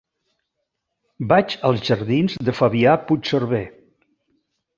Vaig als jardins de Fabià Puigserver.